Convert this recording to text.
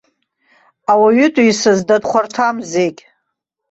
Ауаҩытәыҩса зда дхәарҭам зегь!